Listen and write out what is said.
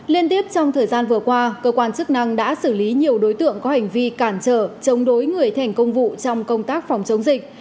liên tiếp trong thời gian vừa qua cơ quan chức năng đã xử lý nhiều đối tượng có hành vi cản trở chống đối người thành công vụ trong công tác phòng chống dịch